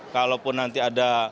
kalau nanti ada